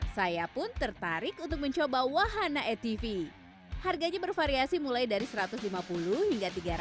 saya pun tertarik untuk mencoba wahana atv harganya bervariasi mulai dari satu ratus lima puluh hingga tiga ratus